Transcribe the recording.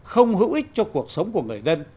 không hữu ích cho cuộc sống của người dân